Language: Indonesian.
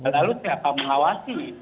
lalu siapa mau ngawasi